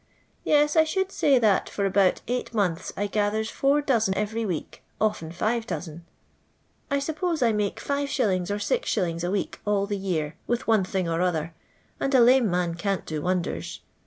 Yes, I should say that for about eight months I gathers four dozen every week, often five dozen. I suppose I mako 5i. or 6i. a week all the year, with one thing or other, and a lame man can't do wonders.